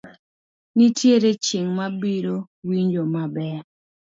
nitie chieng' ma abiro winjo maber